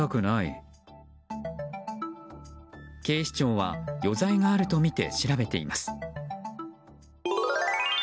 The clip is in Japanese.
警視庁は余罪があるとみて調べています。